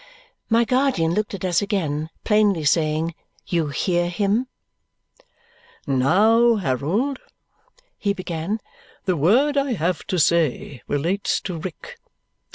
My guardian looked at us again, plainly saying, "You hear him?" "Now, Harold," he began, "the word I have to say relates to Rick."